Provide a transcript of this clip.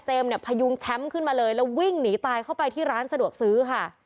เนี่ยพยุงแชมป์ขึ้นมาเลยแล้ววิ่งหนีตายเข้าไปที่ร้านสะดวกซื้อค่ะ